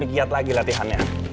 lagi lagi latihannya